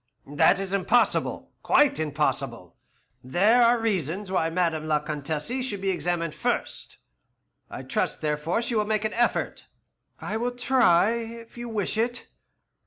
"That is impossible, quite impossible. There are reasons why Madame la Comtesse should be examined first. I trust, therefore, she will make an effort." "I will try, if you wish it."